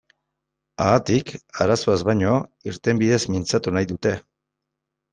Haatik, arazoaz baino, irtenbideez mintzatu nahi dute.